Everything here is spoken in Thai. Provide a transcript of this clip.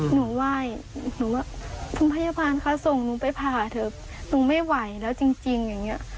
หนูไหว้หนูว่าคุณพยาบาลคะส่งหนูไปผ่าเถอะหนูไม่ไหวแล้วจริงอย่างนี้